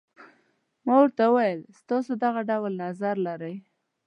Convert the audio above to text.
ما ورته وویل تاسي دغه ډول نظر لرئ.